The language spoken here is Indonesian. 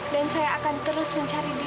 dan saya akan terus mencari dia